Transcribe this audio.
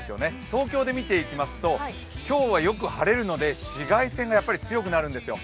東京で見ていきますと今日はよく晴れるので紫外線がやっぱり強くなるんですよ。